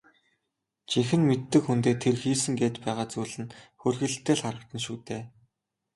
Жинхэнэ мэддэг хүндээ тэр хийсэн гээд байгаа зүйл нь хөөрхийлөлтэй л харагдана шүү дээ.